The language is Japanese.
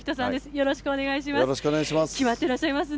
よろしくお願いします。